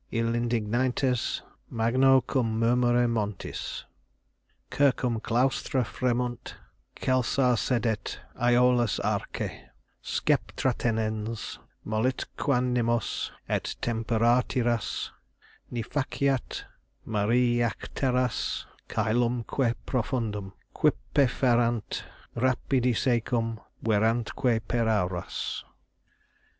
Illi indignantes magno cum murmure montis Circum claustra fremunt; celsa sedet Æolus arce, Sceptratenens, mollitque animos et temperatiras; Ni faciat, maria ac terras cælumque profundum Quippe ferant rapidi secum verrantque per auras."